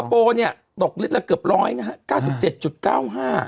สิงคโปรเนี่ยตกฤทธิ์ละเกือบร้อยนะฮะ๙๗๙๕